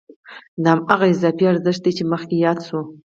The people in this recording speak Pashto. دا هماغه اضافي ارزښت دی چې مخکې یاد شو